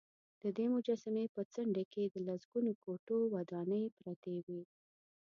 ددې مجسمې په څنډې کې د لسګونو کوټو ودانې پراته وې.